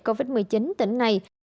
covid một mươi chín tỉnh này